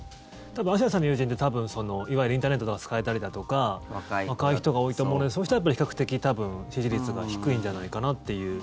多分、あしやさんの友人っていわゆるインターネットとか使えたりだとか若い人が多いと思うのでそうしたら比較的多分、支持率が低いんじゃないかっていう。